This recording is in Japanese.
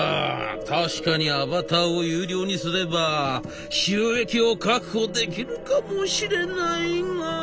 確かにアバターを有料にすれば収益を確保できるかもしれないが」。